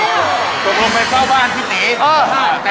เราพร้อมไปเฝ้าบ้านพะปิ๊ตติ